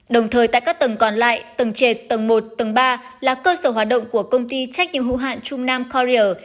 đồng thời tại các tầng còn lại tầng trệt tầng một tầng ba là cơ sở hoạt động của công ty trách nhiệm hữu hạn trung nam corrier